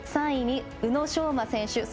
３位に、宇野昌磨選手。